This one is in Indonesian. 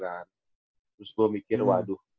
terus gue mikir waduh